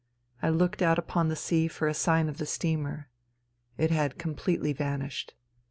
I looked out upon the sea for a sign of the steamer. It had completely vanished.